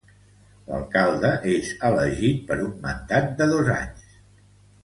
L'alcalde és elegit per un mandat de dos anys.